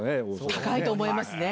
高いと思いますね。